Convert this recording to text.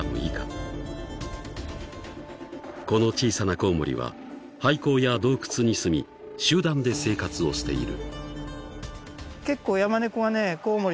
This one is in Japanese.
［この小さなコウモリは廃坑や洞窟にすみ集団で生活をしている］